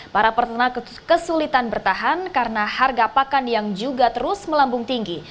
para peternak kesulitan bertahan karena harga pakan yang juga terus melambung tinggi